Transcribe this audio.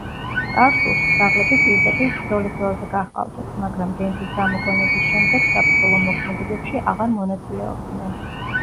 წარსულში ძაღლები პირდაპირ ბრძოლის ველზე გაჰყავდათ, მაგრამ დენთის გამოგონების შემდეგ საბრძოლო მოქმედებებში აღარ მონაწილეობდნენ.